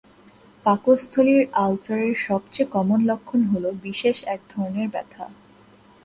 পাকস্থলীর আলসারের সবচেয়ে কমন লক্ষণ হলো বিশেষ এক ধরনের ব্যথা।